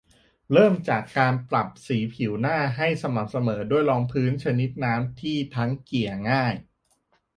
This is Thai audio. เริ่มจากการปรับสีผิวหน้าให้สม่ำเสมอด้วยรองพื้นชนิดน้ำที่ทั้งเกลี่ยง่าย